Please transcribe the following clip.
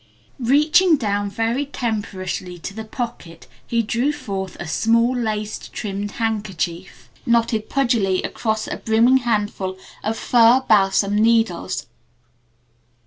Reaching down very temperishly to the pocket he drew forth a small lace trimmed handkerchief knotted pudgily across a brimming handful of fir balsam needles.